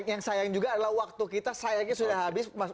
yang sayang juga adalah waktu kita sayangnya sudah habis